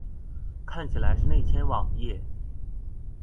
看起來是內嵌網頁